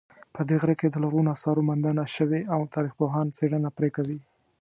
په دې غره کې د لرغونو آثارو موندنه شوې او تاریخپوهان څېړنه پرې کوي